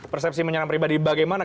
persepsi menyerang pribadi bagaimana